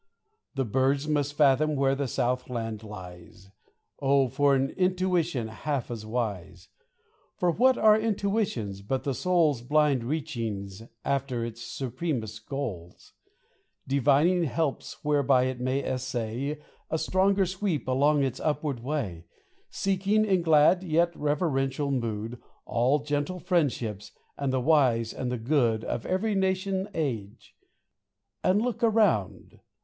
The birds must fathom where the south land lies; Oh, for an intuition half as wise ! For what are intuitions, but the soul's Blind reachings after its supremest goals ; Divining helps whereby it may essay A stronger sweep along its upward way ; Seeking in glad, yet reverential mood, All gentle friendships with the wise and good Of every nation, age : and, look around